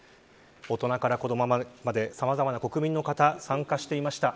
大人から子どもまでさまざまな国民の方参加していました。